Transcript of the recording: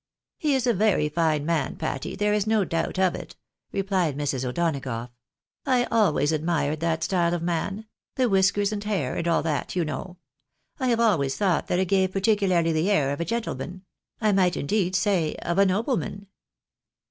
" He is a very fine man, Patty, there is no doubt of it," replied Mrs. O'Donagough. " I always admired that style of man — the whiskers and hair, and all that, you know. I have always thought that it gave particularly the air of a gentleman — I might, indeed, say of a nobleman."